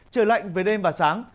trời lạnh về đêm và sáng